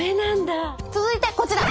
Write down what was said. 続いてこちら。